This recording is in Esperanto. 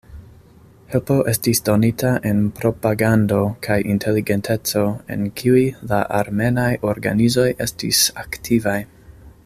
Helpo estis donita en propagando kaj inteligenteco en kiuj la armenaj organizoj estis aktivaj.